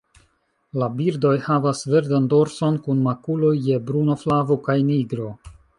La birdoj havas verdan dorson, kun makuloj je bruno, flavo kaj nigro.